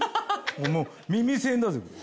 もう耳栓だぜ。